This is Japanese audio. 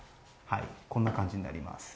こんな感じになります。